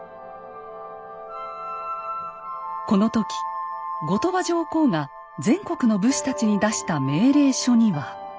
この時後鳥羽上皇が全国の武士たちに出した命令書には。